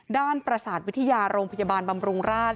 ประสาทวิทยาโรงพยาบาลบำรุงราช